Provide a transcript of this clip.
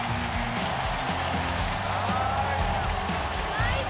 ナイス！